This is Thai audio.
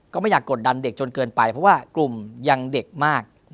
ก็ไม่อยากกดดันเด็กจนเกินไปเพราะว่ากลุ่มยังเด็กมาก